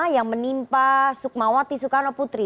yang menimpa sukmawati soekarno putri